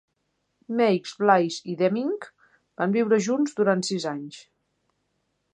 Meigs, Blais i Deming van viure junts durant sis anys.